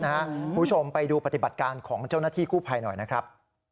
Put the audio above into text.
คุณผู้ชมไปดูปฏิบัติการของเจ้าหน้าที่กู้ภัยหน่อยนะครับ